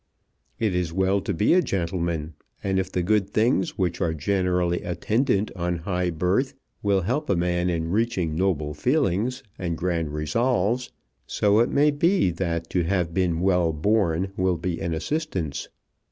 "It is well to be a gentleman, and if the good things which are generally attendant on high birth will help a man in reaching noble feelings and grand resolves, so it may be that to have been well born will be an assistance.